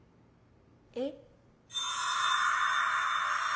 えっ？